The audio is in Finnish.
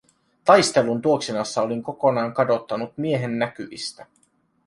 Taistelun tuoksinassa olin kokonaan kadottanut miehen näkyvistä.